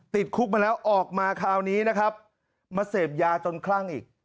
ติดคุกมาแล้วออกมาคราวนี้นะครับมาเสพยาจนคลั่งอีก